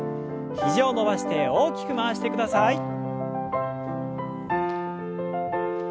肘を伸ばして大きく回してください。